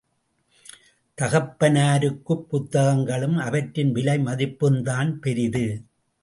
தகப்பனாருக்குப் புத்தகங்களும் அவற்றின் விலை மதிப்பும்தான் பெரிது.